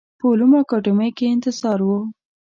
په علومو اکاډمۍ کې یې انتظار و.